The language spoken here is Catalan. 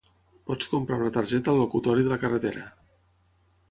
Pots comprar una targeta al locutori de la carretera